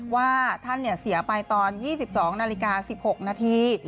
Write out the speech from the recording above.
ว่าท่านเสียไปตอน๒๒นาฬิกา๑๖นาที